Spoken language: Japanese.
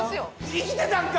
生きてたんか！